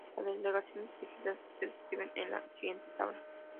Las delegaciones elegidas se describen en la siguiente tabla.